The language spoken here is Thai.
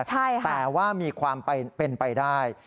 แต่ว่ามีความเป็นไปได้